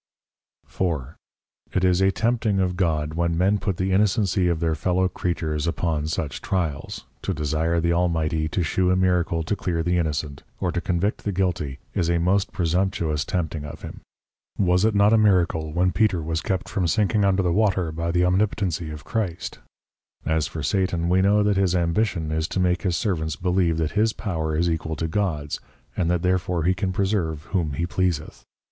4. It is a tempting of God when Men put the Innocency of their Fellow Creatures upon such tryals; to desire the Almighty to shew a Miracle to clear the Innocent, or to convict the Guilty is a most presumptuous tempting of him. Was it not a Miracle when Peter was kept from sinking under the Water by the Omnipotency of Christ? As for Satan, we know that his Ambition is to make his Servants believe that his Power is equal to God's, and that therefore he can preserve whom he pleaseth.